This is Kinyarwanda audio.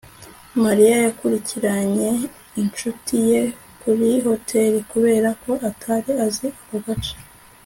mariya yakurikiranye inshuti ye kuri hoteri kubera ko atari azi ako gace